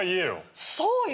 そうよ